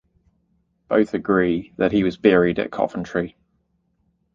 Both agree that he was buried at Coventry.